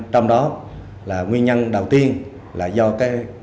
trong đó là nguyên nhân đầu tiên là do cái